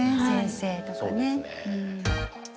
先生とかね。